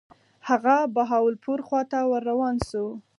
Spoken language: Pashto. هغه بهاولپور خواته ور روان شو.